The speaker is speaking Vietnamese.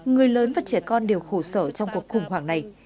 người lớn và trẻ con đều khổ sở trong cuộc khủng hoảng này